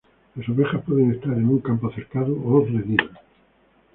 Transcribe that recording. Las ovejas pueden estar en un campo cercado o redil.